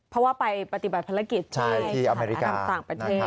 เพราะว่าไปปฏิบัติภารกิจที่อเมริกาต่างประเทศ